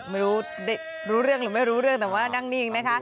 ไม่รู้รู้เรื่องหรือไม่รู้เรื่องแต่ว่านั่งนิ่งนะคะ